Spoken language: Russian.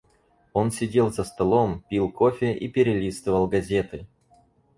Он сидел за столом, пил кофе и перелистывал газеты.